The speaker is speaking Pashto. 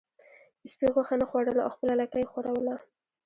سپي غوښه نه خوړله او خپله لکۍ یې ښوروله.